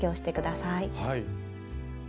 はい。